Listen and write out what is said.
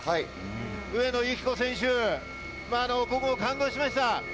上野由岐子選手、僕も感動しました。